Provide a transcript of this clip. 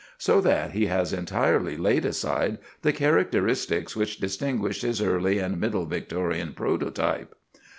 So that he has entirely laid aside the characteristics which distinguished his early and middle Victorian prototype.